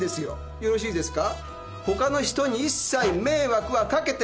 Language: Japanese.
よろしいですか？